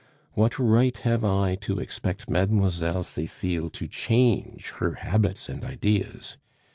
What right have I to expect Mlle. Cecile to change her habits and ideas?